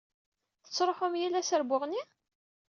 Tettṛuḥum yal ass ɣer Buɣni?